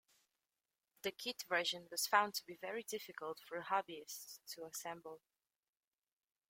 The kit version was found to be very difficult for hobbyists to assemble.